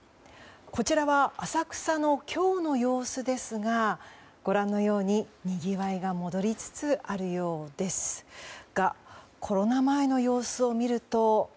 こちらは浅草の今日の様子ですがご覧のように、にぎわいが戻りつつあるようですがコロナ前の様子を見ると。